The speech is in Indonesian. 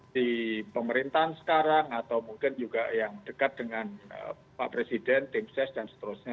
di pemerintahan sekarang atau mungkin juga yang dekat dengan pak presiden tim ses dan seterusnya